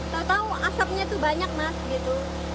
tau tau asapnya itu banyak mas gitu